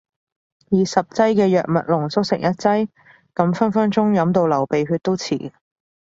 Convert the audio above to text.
以十劑嘅藥物濃縮成一劑？咁分分鐘飲到流鼻血都似